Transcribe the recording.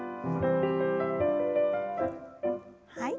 はい。